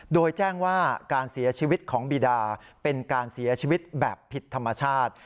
โดยแจ้งว่าการเสียชีวิตของบีดาเป็นการเสียชีวิตแบบผิดธรรมชาติ